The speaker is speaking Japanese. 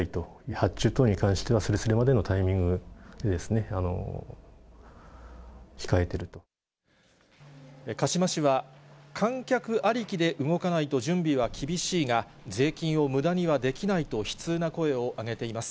発注等に関しては、すれすれまで鹿嶋市は、観客ありきで動かないと準備は厳しいが、税金をむだにはできないと悲痛な声を上げています。